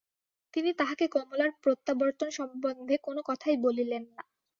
তিনি তাহাকে কমলার প্রত্যাবর্তন সম্বন্ধে কোনো কথাই বলিলেন না।